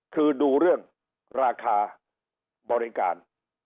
คือดูเรื่องราคาบริการ